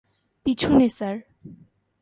পিছনে, স্যার।